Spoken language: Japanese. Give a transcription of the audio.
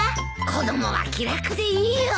子供は気楽でいいよ。